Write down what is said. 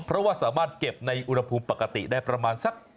เพราะว่าสามารถเก็บในอุณหภูมิปกติได้ประมาณสัก